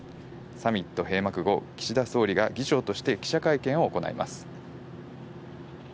サミット閉幕後、岸田総理が議長として記者会見を行います。